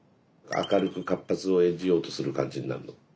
明るく活発を演じようとする感じになるの？